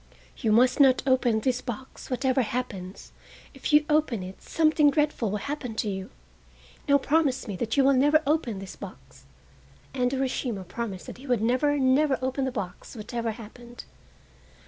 You must not open this box, whatever happens! If you open it something dreadful will happen to you! Now promise me that you will never open this box!" And Urashima promised that he would never, never open the box whatever happened.